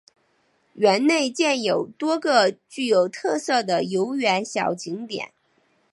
园内建有多个具有特色的游园小景点。